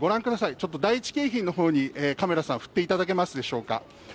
ちょっと第１京浜の方にカメラさん振っていただけますでしょうか？